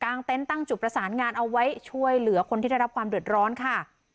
เต็นต์ตั้งจุดประสานงานเอาไว้ช่วยเหลือคนที่ได้รับความเดือดร้อนค่ะ